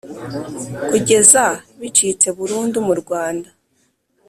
kugeza bicitse burundu mu Rwanda.